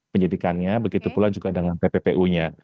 penyidikannya begitu pula juga dengan pppu nya